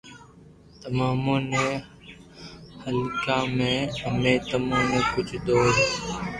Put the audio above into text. تمو امون ني خلڪيا ھي امي تمو نو ڪجھ دور